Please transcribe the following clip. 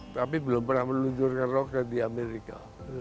tapi belum pernah meluncurkan roket di amerika